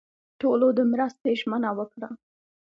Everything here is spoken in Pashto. ټولو د مرستې ژمنه ورکړه.